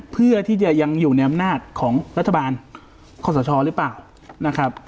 เพื่อที่จะยังอยู่ในอำนาจของรัฐบาลคอสชหรือเปล่านะครับ